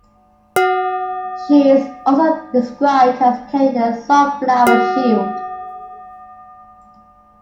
She is also described as carrying a sun flower shield.